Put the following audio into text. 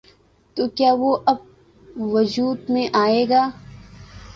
تو کیا وہ اب وجود میں آئے گا؟